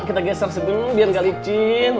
kita geser sebelum biar gak licin